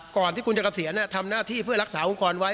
ก่อนที่คุณจะเกษียณทำหน้าที่เพื่อรักษาองค์กรไว้